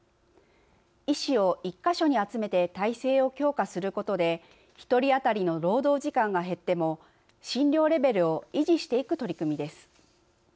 医師を１か所に集めて体制を強化することで１人当たりの労働時間が減っても診療レベルを維持していく取り組みです。